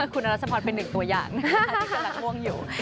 คุณอรัชพรเป็นหนึ่งตัวอย่างที่กำลังง่วงอยู่